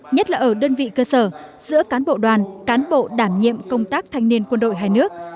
nhất là ở đơn vị cơ sở giữa cán bộ đoàn cán bộ đảm nhiệm công tác thanh niên quân đội hai nước